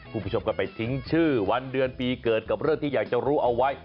คุณผู้ชมก็ไปทิ้งชื่อวันเดือนปีเกิดกับเรื่องที่อยากจะรู้เอาไว้